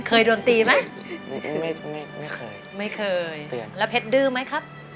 เคยโดนตีไหมไม่ไม่ไม่เคยไม่เคยเตือนแล้วเพชรดื้อไหมครับ